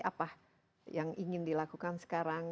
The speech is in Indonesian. apa yang ingin dilakukan sekarang